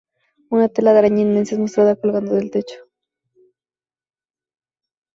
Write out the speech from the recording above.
Una tela de araña inmensa es mostrada colgando del techo.